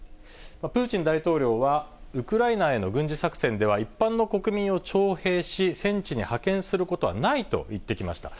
プーチン大統領はウクライナへの軍事作戦では、一般の国民を徴兵し、戦地に派遣することはないと言ってきました。